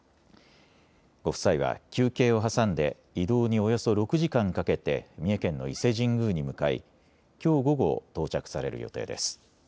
ご夫妻は休憩を挟んで移動におよそ６時間かけて三重県の伊勢神宮に向かいきょう午後、到着される予定です。